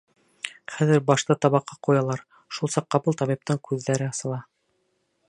Хәҙер башты табаҡҡа ҡуялар, шул саҡ ҡапыл табиптың күҙҙәре асыла: